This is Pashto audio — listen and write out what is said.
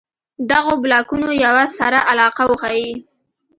دغو بلاکونو یوه سره علاقه وښيي.